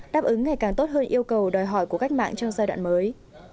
đáp ứng ngày càng tốt hơn yêu cầu đòi hỏi của cách mạng trong giai đoạn mới